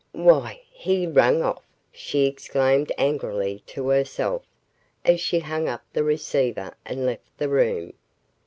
"Why he rang off," she exclaimed angrily to herself, as she hung up the receiver and left the room.